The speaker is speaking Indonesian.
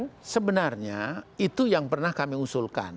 nah sebenarnya itu yang pernah kami usulkan